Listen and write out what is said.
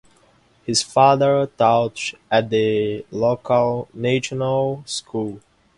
His father taught at the local National School.